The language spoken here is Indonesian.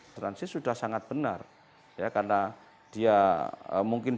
asuransi sudah sangat benar ya karena dia mungkin jatuh tegasnya